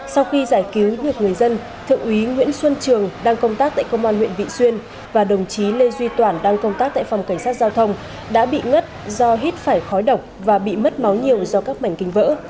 sau khi giải cứu được người dân thượng úy nguyễn xuân trường đang công tác tại công an huyện vị xuyên và đồng chí lê duy toản đang công tác tại phòng cảnh sát giao thông đã bị ngất do hít phải khói độc và bị mất máu nhiều do các mảnh kinh vỡ